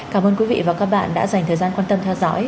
cảm ơn quý vị và các bạn đã dành thời gian quan tâm theo dõi